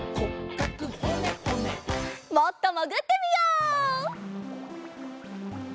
もっともぐってみよう。